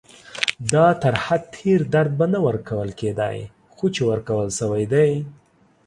دا تر حد تېر درد به نه ورکول کېدای، خو چې ورکول شوی دی.